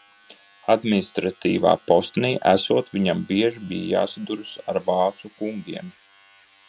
Administratīvā postenī esot, viņam bieži bija jāsaduras ar vācu kungiem.